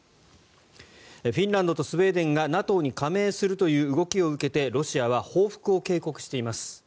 フィンランドとスウェーデンがＮＡＴＯに加盟するという動きを受けてロシアは報復を警告しています。